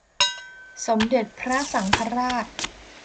สมเด็จพระสังฆราช